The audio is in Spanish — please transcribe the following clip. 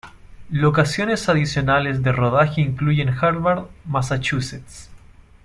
Locaciones adicionales de rodaje incluyen Harvard, Massachusetts.